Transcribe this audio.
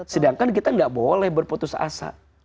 sedangkan kita tidak boleh berputus asa